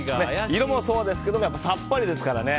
色もそうですけどさっぱりですからね。